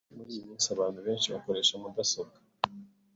Muri iyi minsi abantu benshi bakoresha mudasobwa.